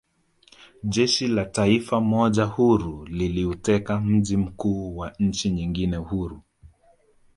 Jeshi la taifa moja huru liliuteka mji mkuu wa nchi nyingine huru